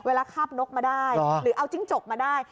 คาบนกมาได้หรือเอาจิ้งจกมาได้